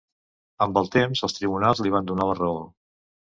Amb el temps els tribunals li van donar la raó.